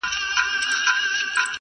• وخت سره زر دي او ته باید زرګر اوسي..